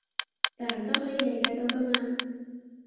但都可以理解到㗎嘛